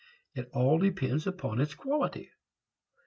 It all depends upon its quality.